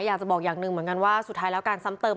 อยากจะบอกอย่างหนึ่งเหมือนกันว่าสุดท้ายแล้วการซ้ำเติม